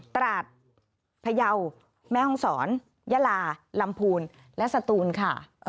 ตราดพยาวแม่ห้องศรยะลาลำพูนและสตูนค่ะ